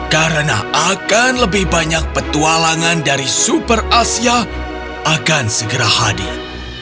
karena akan lebih banyak petualangan dari super asia akan segera hadir